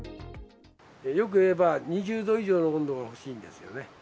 欲を言えば２０度以上の温度が欲しいんですよね。